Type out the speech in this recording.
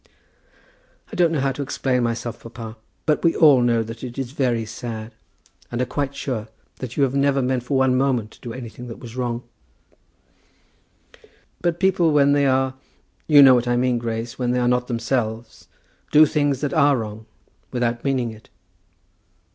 "I don't know how to explain myself, papa; but we all know that it is very sad, and are quite sure that you have never meant for one moment to do anything that was wrong." "But people when they are, you know what I mean, Grace; when they are not themselves, do things that are wrong without meaning it."